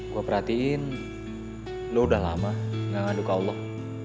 gue perhatiin lo udah lama gak ngaduk allah